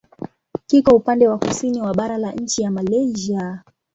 Kiko upande wa kusini wa bara la nchi ya Malaysia.